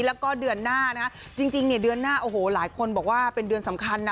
แล้วก็เดือนหน้านะคะจริงเนี่ยเดือนหน้าโอ้โหหลายคนบอกว่าเป็นเดือนสำคัญนะ